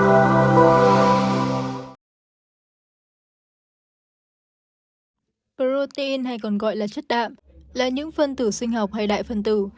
các protein hay còn gọi là chất đạm là những phân tử sinh học hay đại phân tử